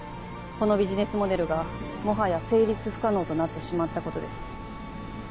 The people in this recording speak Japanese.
このビジネスモデルがもはや成立不可能となってしまったことです。